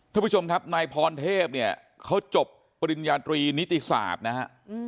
ท่านผู้ชมครับนายพรเทพเนี่ยเขาจบปริญญาตรีนิติศาสตร์นะฮะ